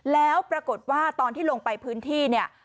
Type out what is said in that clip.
แล้วปรากฏว่าตอนที่ลงไปพื้นที่เนี่ย